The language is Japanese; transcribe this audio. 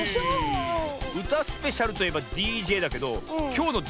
うたスペシャルといえばＤＪだけどきょうのＤＪはだれだ？